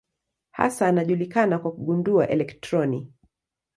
Hasa anajulikana kwa kugundua elektroni.